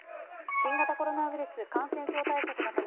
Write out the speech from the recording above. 新型コロナウイルス感染症対策のため